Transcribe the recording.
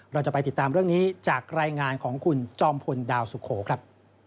เราจะไปติดตามเรื่องนี้จากรายงานของคุณจอมพลดาวสุโขครับ